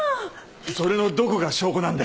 それのどこが証拠なんだよ。